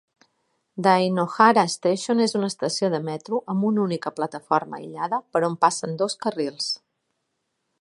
Dainohara Station és una estació de metro amb una única plataforma aïllada per on passen dos carrils.